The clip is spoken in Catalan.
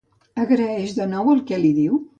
Agraeix de nou el que li diu?